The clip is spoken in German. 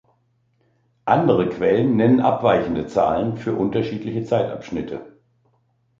Andere Quellen nennen abweichende Zahlen für unterschiedliche Zeitabschnitte.